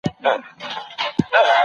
زه د شین چای په څښلو بوخت یم.